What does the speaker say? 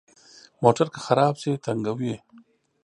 موټر که خراب شي، تنګوي.